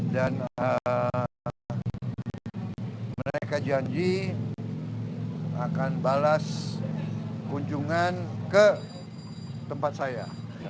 dan mereka janji akan balas kunjungan ke tempat saya